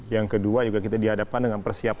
yang kedua juga kita dihadapkan dengan persiapan